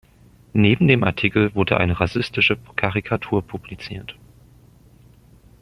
Neben dem Artikel wurde eine rassistische Karikatur publiziert.